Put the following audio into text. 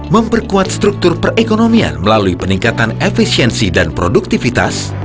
memperkuat struktur perekonomian melalui peningkatan efisiensi dan produktivitas